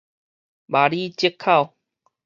麻里折口